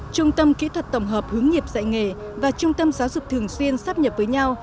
trung tâm kỹ thuật tổng hợp hướng nghiệp dạy nghề và trung tâm giáo dục thường xuyên sắp nhập với nhau